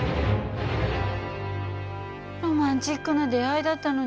ロマンチックな出会いだったのにね。